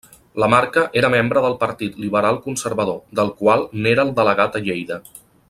Lamarca era membre del Partit Liberal Conservador, del quan n'era el delegat a Lleida.